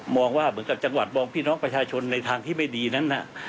ว่าเหมือนกับจังหวัดมองพี่น้องประชาชนในทางที่ไม่ดีนั้น